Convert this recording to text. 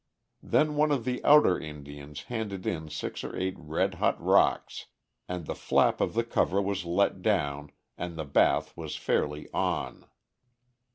Then one of the outer Indians handed in six or eight red hot rocks, and the flap of the cover was let down and the bath was fairly "on."